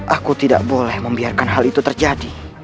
aku tidak boleh membiarkan hal itu terjadi